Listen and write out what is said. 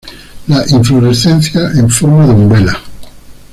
La inflorescencia en forma de umbela.